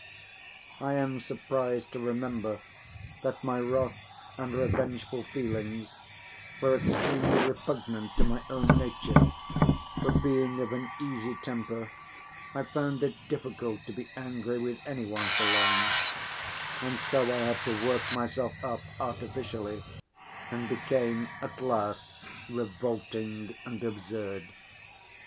I am surprised to remember that my wrath and revengeful feelings were extremely repugnant to my own nature, for being of an easy temper, I found it difficult to be angry with any one for long, and so I had to work myself up artificially and became at last revolting and absurd.